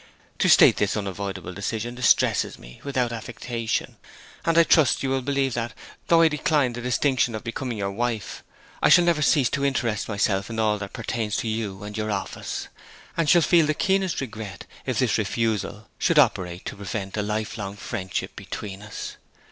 To state this unavoidable decision distresses me, without affectation; and I trust you will believe that, though I decline the distinction of becoming your wife, I shall never cease to interest myself in all that pertains to you and your office; and shall feel the keenest regret if this refusal should operate to prevent a lifelong friendship between us.